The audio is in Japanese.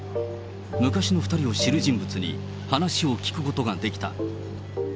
昔の２人を知る人物に話を聞くことができた。